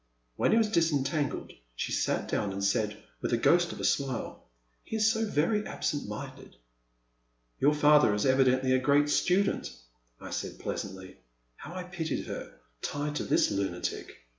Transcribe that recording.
When he was disentangled, she sat down and said, with a ghost of a smile; he is so very absent minded. " Your father is evidently a great student, I said, pleasantly. How I pitied her, tied to this lunatic